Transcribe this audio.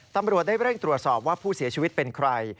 ตำรวจได้เร่งตรวจสอบว่าผู้เสียชีวิตเป็นใคร